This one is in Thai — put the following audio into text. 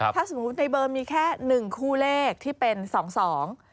ถ้าสมมุติในเบอร์มีแค่หนึ่งคู่เลขที่เป็นสองสอง